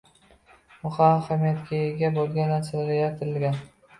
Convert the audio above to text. «Muhim ahamiyatga ega bo’lgan narsalar yaratilgan